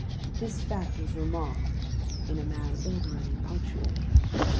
This fact was remarked in a man ordinarily punctual.